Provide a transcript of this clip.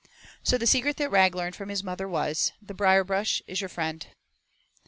So the secret that Rag learned from his mother was, "The Brierbrush is your best friend."